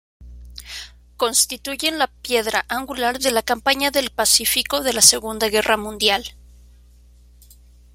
Constituyen la piedra angular de la campaña del Pacífico de la Segunda Guerra Mundial.